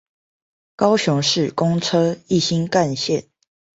高雄市公車一心幹線